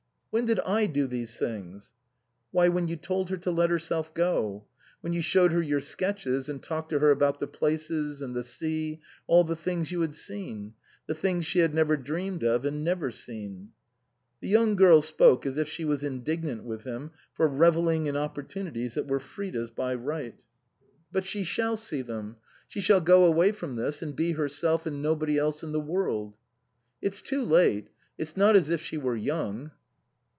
" When did I do these things ?"" Why, when you told her to let herself go. When you showed her your sketches and talked to her about the places, and the sea, all the things you had seen ; the things she had dreamed of and never seen." The young girl spoke as if she was indignant with him for revelling in opportunities that were Frida's by right. Ill THE COSMOPOLITAN " But she shall see them. She shall go away from this, and be herself and nobody else in the world." " It's too late it's not as if she were young."